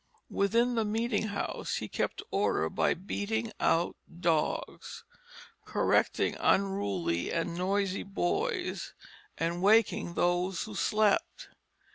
Within the meeting house he kept order by beating out dogs, correcting unruly and noisy boys, and waking those who slept.